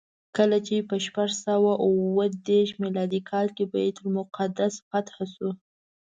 کله چې په شپږ سوه اوه دېرش میلادي کال بیت المقدس فتحه شو.